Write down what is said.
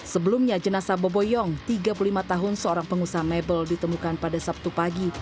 sebelumnya jenazah bobo yong tiga puluh lima tahun seorang pengusaha mebel ditemukan pada sabtu pagi